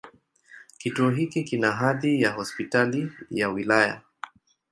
Kituo hiki kina hadhi ya Hospitali ya wilaya.